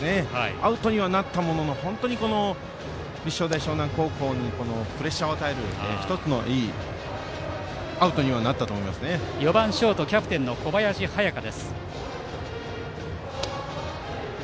アウトにはなったものの本当に立正大淞南高校にプレッシャーを与える１つのいいアウトになったとバッター、４番ショートキャプテンの小林隼翔。